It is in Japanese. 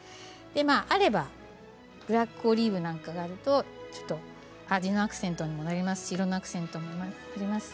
あればブラックオリーブなんかがあると味のアクセントにもなりますし色のアクセントにもなりますし。